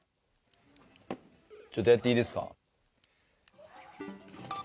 ちょっとやっていいですか。